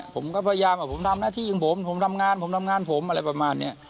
ผมก็พยายามผมทำหน้าที่ของผมผมทำงานผมทำงานผมอะไรประมาณนี้